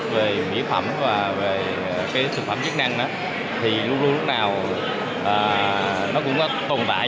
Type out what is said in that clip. về mỹ phẩm và về thực phẩm chức năng thì lúc nào cũng có tồn tại